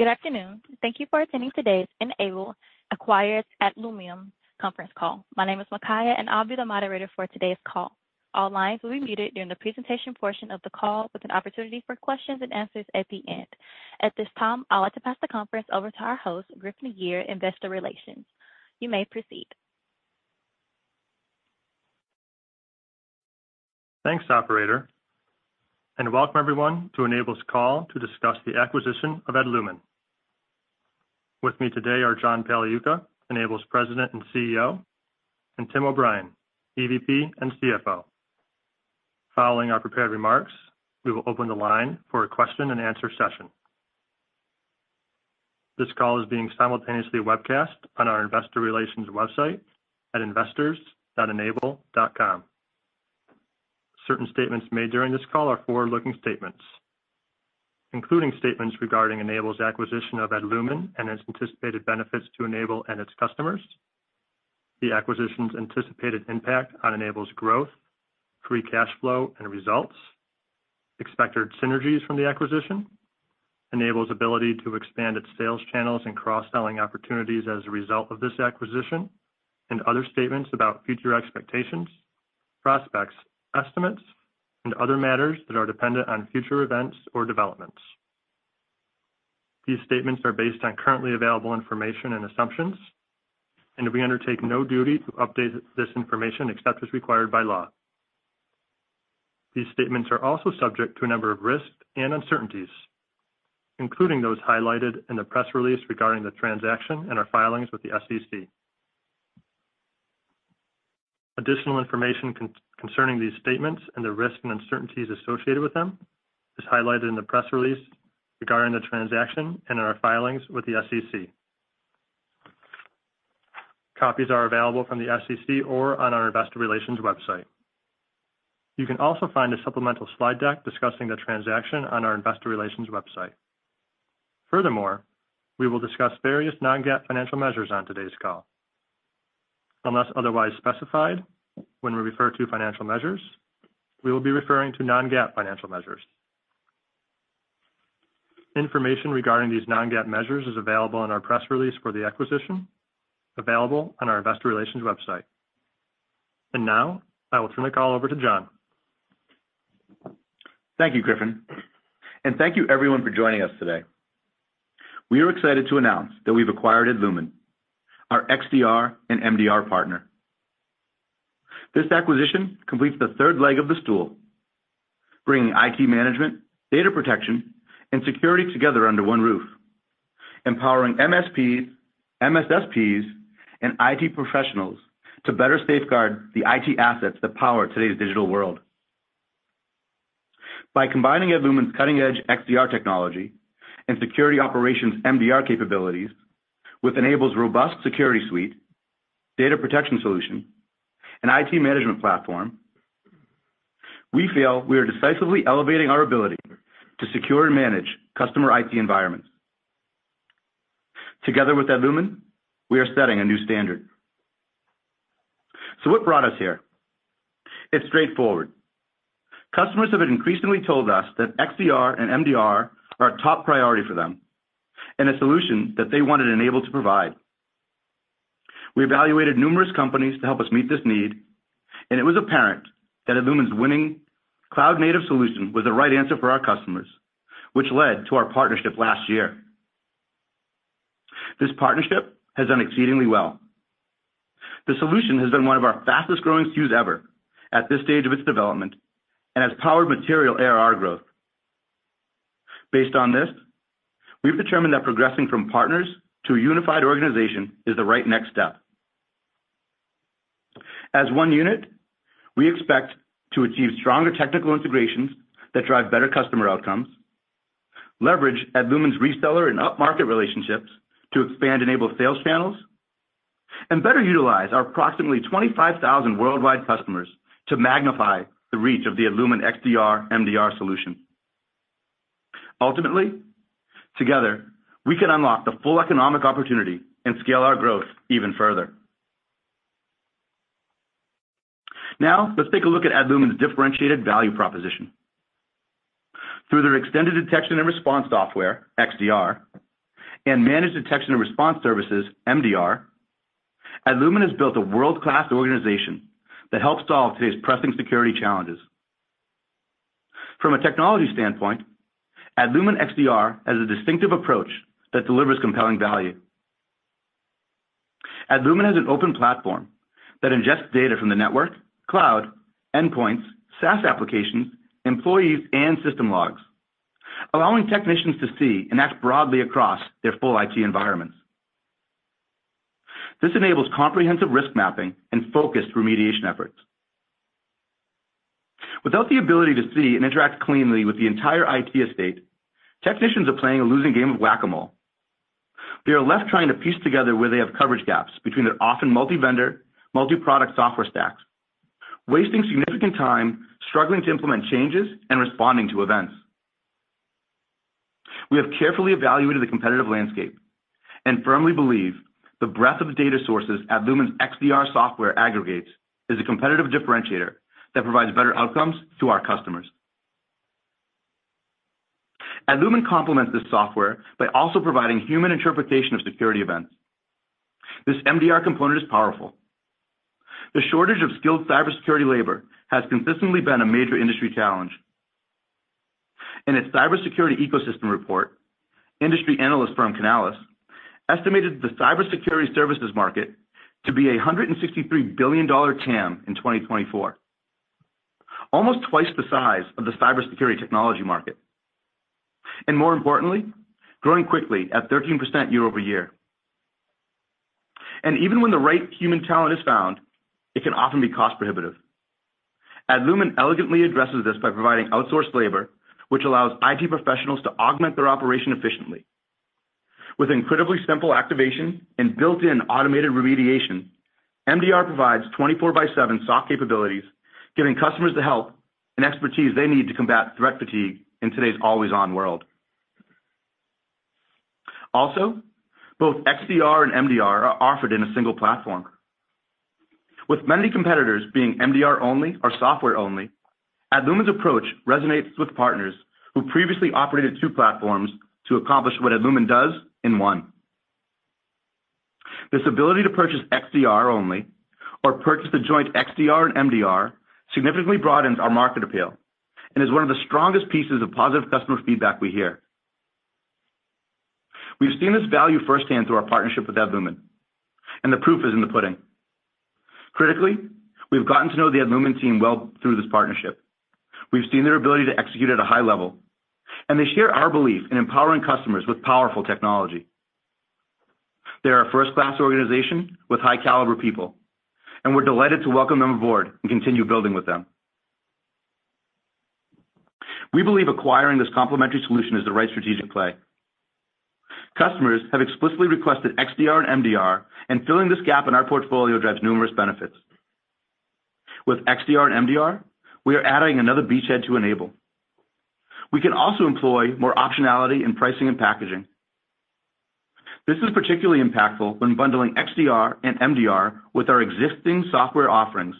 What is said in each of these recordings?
Good afternoon. Thank you for attending today's N-able Acquires Adlumin conference call. My name is Makaya, and I'll be the moderator for today's call. All lines will be muted during the presentation portion of the call, with an opportunity for questions and answers at the end. At this time, I'd like to pass the conference over to our host, Griffin Gyr, Investor Relations. You may proceed. Thanks, Operator, and welcome, everyone, to N-able's call to discuss the acquisition of Adlumin. With me today are John Pagliuca, N-able's President and CEO, and Tim O'Brien, EVP and CFO. Following our prepared remarks, we will open the line for a question-and-answer session. This call is being simultaneously webcast on our Investor Relations website at investors.n-able.com. Certain statements made during this call are forward-looking statements, including statements regarding N-able's acquisition of Adlumin and its anticipated benefits to N-able and its customers, the acquisition's anticipated impact on N-able's growth, free cash flow, and results, expected synergies from the acquisition, N-able's ability to expand its sales channels and cross-selling opportunities as a result of this acquisition, and other statements about future expectations, prospects, estimates, and other matters that are dependent on future events or developments. These statements are based on currently available information and assumptions, and we undertake no duty to update this information except as required by law. These statements are also subject to a number of risks and uncertainties, including those highlighted in the press release regarding the transaction and our filings with the SEC. Additional information concerning these statements and the risks and uncertainties associated with them is highlighted in the press release regarding the transaction and our filings with the SEC. Copies are available from the SEC or on our Investor Relations website. You can also find a supplemental slide deck discussing the transaction on our Investor Relations website. Furthermore, we will discuss various non-GAAP financial measures on today's call. Unless otherwise specified when we refer to financial measures, we will be referring to non-GAAP financial measures. Information regarding these non-GAAP measures is available in our press release for the acquisition, available on our Investor Relations website. And now, I will turn the call over to John. Thank you, Griffin. And thank you, everyone, for joining us today. We are excited to announce that we've acquired Adlumin, our XDR and MDR partner. This acquisition completes the third leg of the stool, bringing IT management, data protection, and security together under one roof, empowering MSPs, MSSPs, and IT professionals to better safeguard the IT assets that power today's digital world. By combining Adlumin's cutting-edge XDR technology and security operations MDR capabilities with N-able's robust security suite, data protection solution, and IT management platform, we feel we are decisively elevating our ability to secure and manage customer IT environments. Together with Adlumin, we are setting a new standard. So what brought us here? It's straightforward. Customers have increasingly told us that XDR and MDR are a top priority for them and a solution that they wanted N-able to provide. We evaluated numerous companies to help us meet this need, and it was apparent that Adlumin's winning cloud-native solution was the right answer for our customers, which led to our partnership last year. This partnership has done exceedingly well. The solution has been one of our fastest-growing SKUs ever at this stage of its development and has powered material ARR growth. Based on this, we've determined that progressing from partners to a unified organization is the right next step. As one unit, we expect to achieve stronger technical integrations that drive better customer outcomes, leverage Adlumin's reseller and up-market relationships to expand N-able's sales channels, and better utilize our approximately 25,000 worldwide customers to magnify the reach of the Adlumin XDR/MDR solution. Ultimately, together, we can unlock the full economic opportunity and scale our growth even further. Now, let's take a look at Adlumin's differentiated value proposition. Through their extended detection and response software, XDR, and managed detection and response services, MDR, Adlumin has built a world-class organization that helps solve today's pressing security challenges. From a technology standpoint, Adlumin XDR has a distinctive approach that delivers compelling value. Adlumin has an open platform that ingests data from the network, cloud, endpoints, SaaS applications, employees, and system logs, allowing technicians to see and act broadly across their full IT environments. This enables comprehensive risk mapping and focused remediation efforts. Without the ability to see and interact cleanly with the entire IT estate, technicians are playing a losing game of whack-a-mole. They are left trying to piece together where they have coverage gaps between their often multi-vendor, multi-product software stacks, wasting significant time struggling to implement changes and responding to events. We have carefully evaluated the competitive landscape and firmly believe the breadth of data sources Adlumin's XDR software aggregates is a competitive differentiator that provides better outcomes to our customers. Adlumin complements this software by also providing human interpretation of security events. This MDR component is powerful. The shortage of skilled cybersecurity labor has consistently been a major industry challenge. In its cybersecurity ecosystem report, industry analyst firm Canalys estimated the cybersecurity services market to be a $163 billion TAM in 2024, almost twice the size of the cybersecurity technology market. And more importantly, growing quickly at 13% year-over-year. And even when the right human talent is found, it can often be cost-prohibitive. Adlumin elegantly addresses this by providing outsourced labor, which allows IT professionals to augment their operation efficiently. With incredibly simple activation and built-in automated remediation, MDR provides 24/7 SOC capabilities, giving customers the help and expertise they need to combat threat fatigue in today's always-on world. Also, both XDR and MDR are offered in a single platform. With many competitors being MDR-only or software-only, Adlumin's approach resonates with partners who previously operated two platforms to accomplish what Adlumin does in one. This ability to purchase XDR-only or purchase the joint XDR and MDR significantly broadens our market appeal and is one of the strongest pieces of positive customer feedback we hear. We've seen this value firsthand through our partnership with Adlumin, and the proof is in the pudding. Critically, we've gotten to know the Adlumin team well through this partnership. We've seen their ability to execute at a high level, and they share our belief in empowering customers with powerful technology. They are a first-class organization with high-caliber people, and we're delighted to welcome them aboard and continue building with them. We believe acquiring this complementary solution is the right strategic play. Customers have explicitly requested XDR and MDR, and filling this gap in our portfolio drives numerous benefits. With XDR and MDR, we are adding another beachhead to N-able. We can also employ more optionality in pricing and packaging. This is particularly impactful when bundling XDR and MDR with our existing software offerings,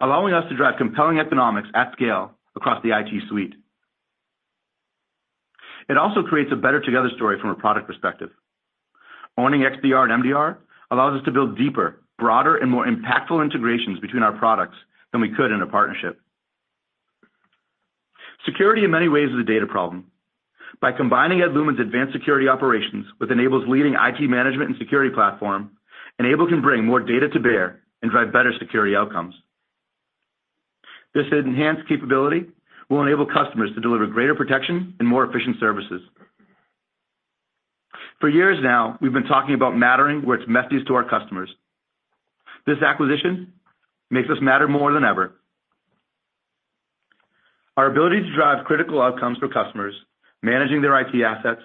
allowing us to drive compelling economics at scale across the IT suite. It also creates a better together story from a product perspective. Owning XDR and MDR allows us to build deeper, broader, and more impactful integrations between our products than we could in a partnership. Security, in many ways, is a data problem. By combining Adlumin's advanced security operations with N-able's leading IT management and security platform, N-able can bring more data to bear and drive better security outcomes. This enhanced capability will enable customers to deliver greater protection and more efficient services. For years now, we've been talking about mattering where it matters most to our customers. This acquisition makes us matter more than ever. Our ability to drive critical outcomes for customers, managing their IT assets,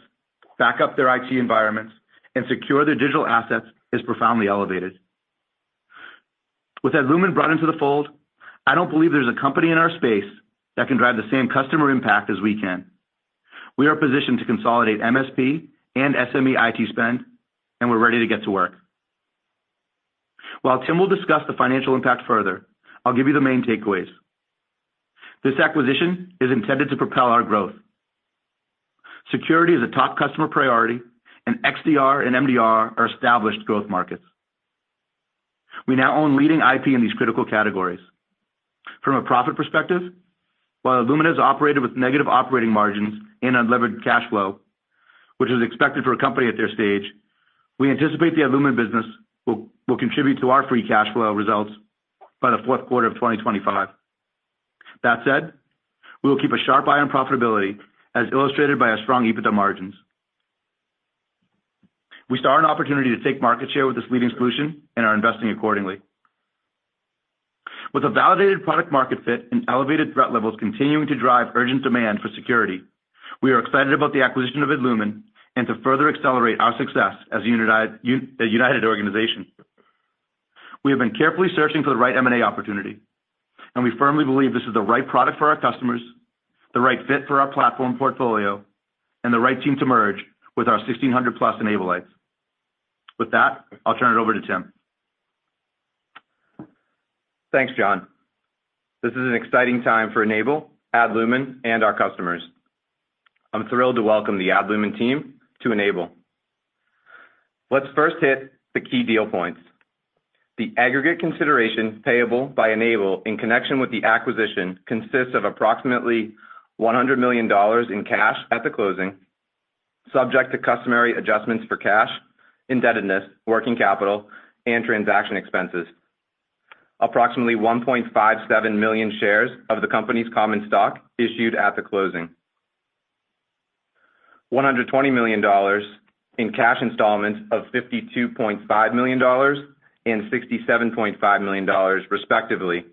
back up their IT environments, and secure their digital assets is profoundly elevated. With Adlumin brought into the fold, I don't believe there's a company in our space that can drive the same customer impact as we can. We are positioned to consolidate MSP and SME IT spend, and we're ready to get to work. While Tim will discuss the financial impact further, I'll give you the main takeaways. This acquisition is intended to propel our growth. Security is a top customer priority, and XDR and MDR are established growth markets. We now own leading IP in these critical categories. From a profit perspective, while Adlumin has operated with negative operating margins and unleveraged cash flow, which is expected for a company at their stage, we anticipate the Adlumin business will contribute to our free cash flow results by the fourth quarter of 2025. That said, we will keep a sharp eye on profitability, as illustrated by our strong EBITDA margins. We saw an opportunity to take market share with this leading solution and are investing accordingly. With a validated product-market fit and elevated threat levels continuing to drive urgent demand for security, we are excited about the acquisition of Adlumin and to further accelerate our success as a united organization. We have been carefully searching for the right M&A opportunity, and we firmly believe this is the right product for our customers, the right fit for our platform portfolio, and the right team to merge with our 1,600+ N-ableites. With that, I'll turn it over to Tim. Thanks, John. This is an exciting time for N-able, Adlumin, and our customers. I'm thrilled to welcome the Adlumin team to N-able. Let's first hit the key deal points. The aggregate consideration payable by N-able in connection with the acquisition consists of approximately $100 million in cash at the closing, subject to customary adjustments for cash, indebtedness, working capital, and transaction expenses. Approximately 1.57 million shares of the company's common stock issued at the closing. $120 million in cash installments of $52.5 million and $67.5 million, respectively,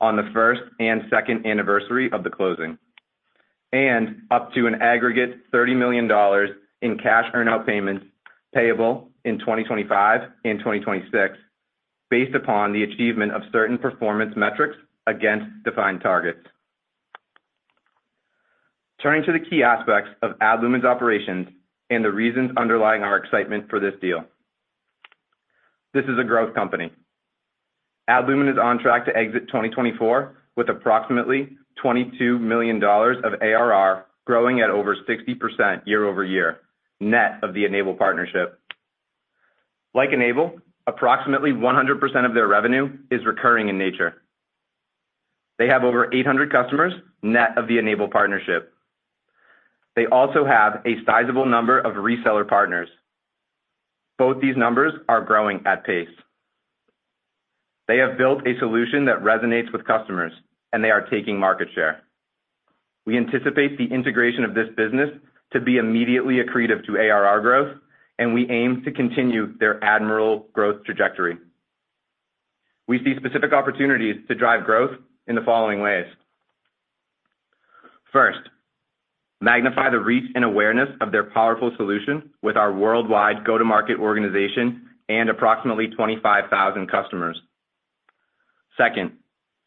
on the first and second anniversary of the closing, and up to an aggregate $30 million in cash earn-out payments payable in 2025 and 2026, based upon the achievement of certain performance metrics against defined targets. Turning to the key aspects of Adlumin's operations and the reasons underlying our excitement for this deal. This is a growth company. Adlumin is on track to exit 2024 with approximately $22 million of ARR growing at over 60% year-over-year, net of the N-able partnership. Like N-able, approximately 100% of their revenue is recurring in nature. They have over 800 customers net of the N-able partnership. They also have a sizable number of reseller partners. Both these numbers are growing at pace. They have built a solution that resonates with customers, and they are taking market share. We anticipate the integration of this business to be immediately accretive to ARR growth, and we aim to continue their admirable growth trajectory. We see specific opportunities to drive growth in the following ways. First, magnify the reach and awareness of their powerful solution with our worldwide go-to-market organization and approximately 25,000 customers. Second,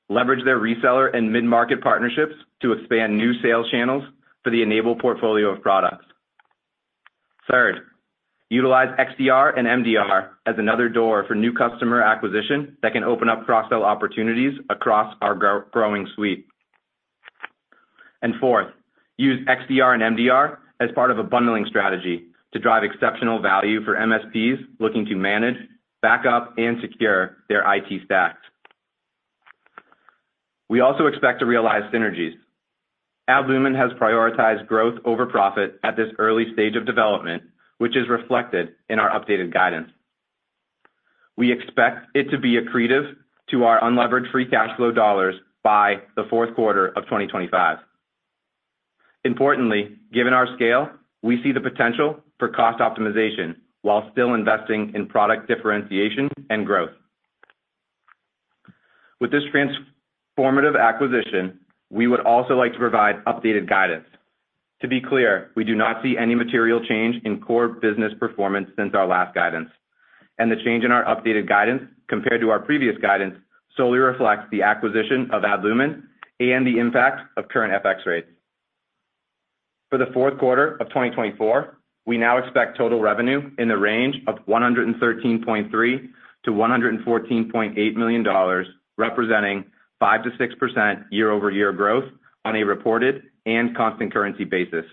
leverage their reseller and mid-market partnerships to expand new sales channels for the N-able portfolio of products. Third, utilize XDR and MDR as another door for new customer acquisition that can open up cross-sell opportunities across our growing suite. And fourth, use XDR and MDR as part of a bundling strategy to drive exceptional value for MSPs looking to manage, back up, and secure their IT stacks. We also expect to realize synergies. Adlumin has prioritized growth over profit at this early stage of development, which is reflected in our updated guidance. We expect it to be accretive to our Unleveraged Free Cash Flow dollars by the fourth quarter of 2025. Importantly, given our scale, we see the potential for cost optimization while still investing in product differentiation and growth. With this transformative acquisition, we would also like to provide updated guidance. To be clear, we do not see any material change in core business performance since our last guidance. The change in our updated guidance compared to our previous guidance solely reflects the acquisition of Adlumin and the impact of current FX rates. For the fourth quarter of 2024, we now expect total revenue in the range of $113.3 million-$114.8 million, representing 5%-6% year-over-year growth on a reported and constant currency basis.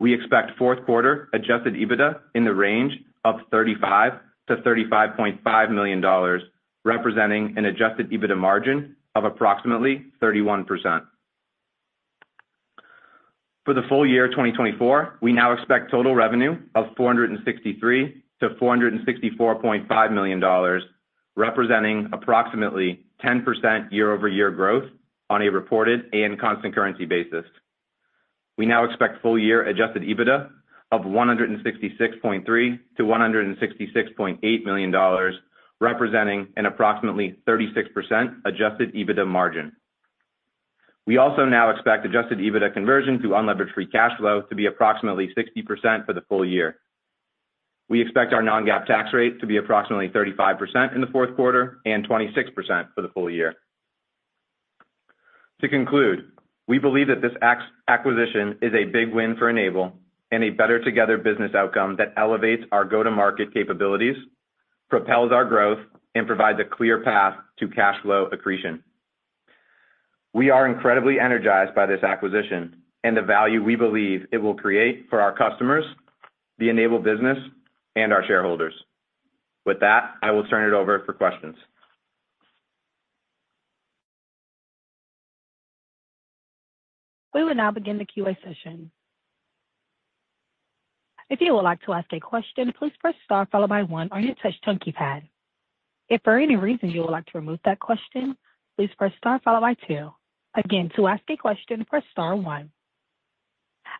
We expect fourth quarter Adjusted EBITDA in the range of $35 million-$35.5 million, representing an Adjusted EBITDA margin of approximately 31%. For the full year 2024, we now expect total revenue of $463 million-$464.5 million, representing approximately 10% year-over-year growth on a reported and constant currency basis. We now expect full-year Adjusted EBITDA of $166.3 million-$166.8 million, representing an approximately 36% Adjusted EBITDA margin. We also now expect Adjusted EBITDA conversion to Unleveraged Free Cash Flow to be approximately 60% for the full year. We expect our non-GAAP tax rate to be approximately 35% in the fourth quarter and 26% for the full year. To conclude, we believe that this acquisition is a big win for N-able and a better together business outcome that elevates our go-to-market capabilities, propels our growth, and provides a clear path to cash flow accretion. We are incredibly energized by this acquisition and the value we believe it will create for our customers, the N-able business, and our shareholders. With that, I will turn it over for questions. We will now begin the Q&A session. If you would like to ask a question, please press star followed by one on your touchtone pad. If for any reason you would like to remove that question, please press star followed by two. Again, to ask a question, press star one.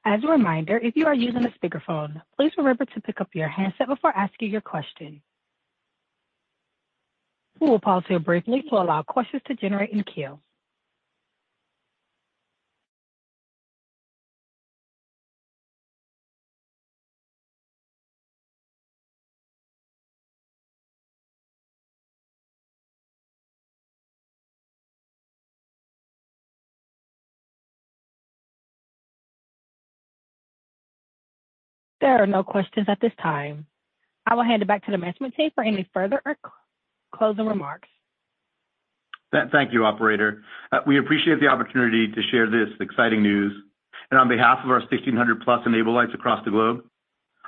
As a reminder, if you are using a speakerphone, please remember to pick up your handset before asking your question. We will pause here briefly to allow questions to generate and queue. There are no questions at this time. I will hand it back to the management team for any further or closing remarks. Thank you, Operator. We appreciate the opportunity to share this exciting news. And on behalf of our 1,600+ N-ableites across the globe,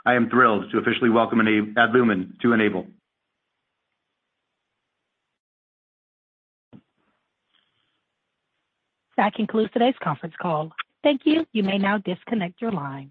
I am thrilled to officially welcome Adlumin to N-able. That concludes today's conference call. Thank you. You may now disconnect your line.